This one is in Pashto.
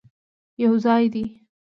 یوځای دې،